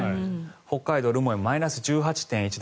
北海道留萌マイナス１８．１度。